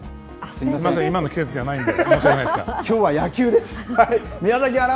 すみません、今の季節じゃないんで。